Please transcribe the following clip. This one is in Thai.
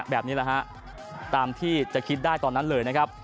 แบบนี้แหละฮะตามที่จะคิดได้ตอนนั้นเลยนะครับ